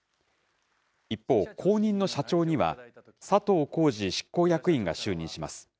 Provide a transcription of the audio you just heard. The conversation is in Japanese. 一方、後任の社長には、佐藤恒治執行役員が就任します。